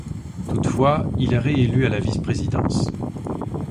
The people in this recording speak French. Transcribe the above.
Toutefois, il est réélu à la vice-présidence.